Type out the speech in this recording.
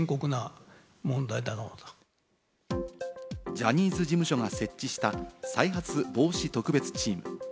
ジャニーズ事務所が設置した再発防止特別チーム。